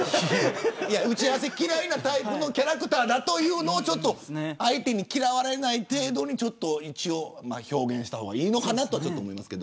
打ち合わせ嫌いなタイプのキャラクターだというのを相手に嫌われない程度に表現した方がいいのかなと思いますが。